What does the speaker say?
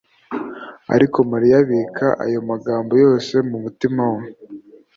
Ariko Mariya abika ayo magambo yose mu mutima we